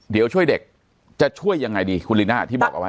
เดี๋ยวช่วยเด็กจะช่วยยังไงดีคุณลีน่าที่บอกเอาไว้